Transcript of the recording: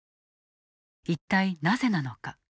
一体、なぜなのか。